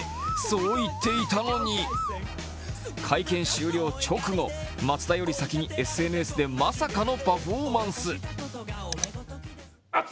そう言っていたのに会見終了直後、松田より先にＳＮＳでまさかのパフォーマンス。